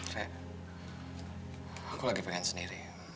saya aku lagi pengen sendiri